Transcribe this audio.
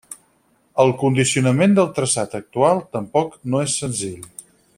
El condicionament del traçat actual tampoc no és senzill.